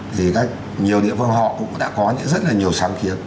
thì các nhiều địa phương họ cũng đã có những rất là nhiều sáng kiến